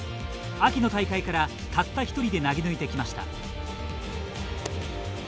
秋の大会から、たった一人で投げ抜いてきました。